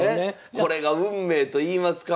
これが運命といいますか。